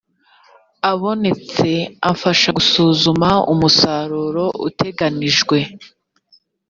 abonetse afasha gusuzuma umusaruro uteganijwe